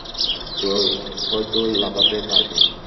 তুই হয়তো লাফাতে পারবি।